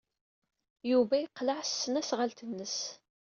Yuba yeqleɛ s tesnasɣalt-nnes.